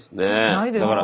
ないですか？